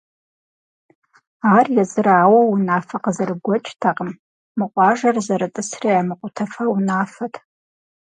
Ар езыр ауэ унафэ къызэрыгуэкӏтэкъым — мы къуажэр зэрытӏысрэ ямыкъутэфа унафэт.